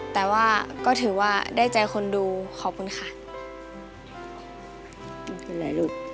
แต่ว่าก็ถือว่าได้ใจคนดูขอบคุณค่ะ